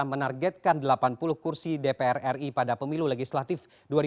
menargetkan delapan puluh kursi dpr ri pada pemilu legislatif dua ribu sembilan belas